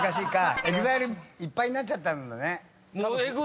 ＥＸＩＬＥいっぱいになっちゃったんだね。